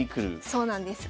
そうなんです。